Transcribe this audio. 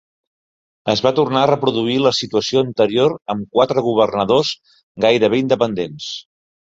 Es va tornar a reproduir la situació anterior amb quatre governadors gairebé independents.